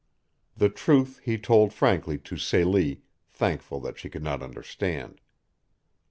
The truth he told frankly to Celie, thankful that she could not understand.